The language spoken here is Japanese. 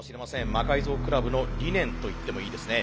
魔改造倶楽部の理念といってもいいですね。